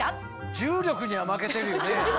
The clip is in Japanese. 重力には負けてるよね？